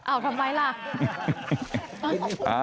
อ้าวทำไมล่ะ